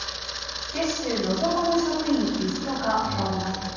接種望まぬ職員リスト化とあります。